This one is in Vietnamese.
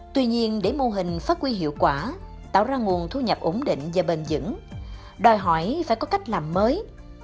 tuy nhiên để mô hình phát quy hiệu quả tạo ra nguồn thu nhập ổn định và bền dững đòi hỏi phải có cách làm mới